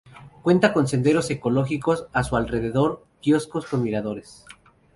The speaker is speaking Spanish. Cuenta con senderos ecológicos a su alrededor quioscos con miradores.